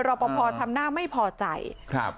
รอปภทำหน้าไม่พอใจครับ